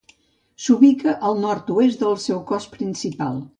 S'ubica al nord-oest del seu cos principal.